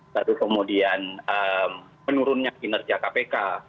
lalu kemudian menurunnya kinerja kpk